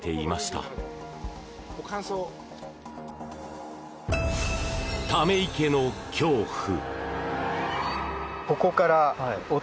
ため池の恐怖。